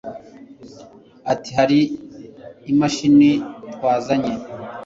Ati hari imashini twazanye,